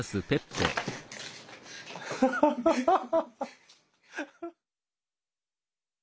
ハハハハハハ。